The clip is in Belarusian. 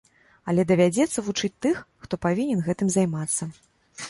Але давядзецца вучыць тых, хто павінен гэтым займацца.